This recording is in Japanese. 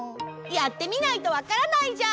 やってみないとわからないじゃん！